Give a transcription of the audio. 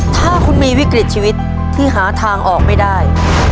ถ้าคุณมีวิกฤตชีวิตที่หาทางออกไม่ได้